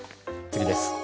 次です。